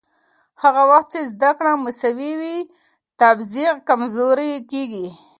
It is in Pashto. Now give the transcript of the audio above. هغه وخت چې زده کړه مساوي وي، تبعیض کمزورې کېږي.